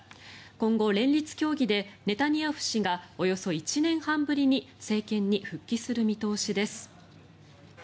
今後、連立協議でネタニヤフ氏がおよそ１年半ぶりに政権に復帰する見通しです。